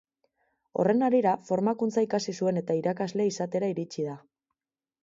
Horren harira formakuntza ikasi zuen eta irakasle izatera iritsi da.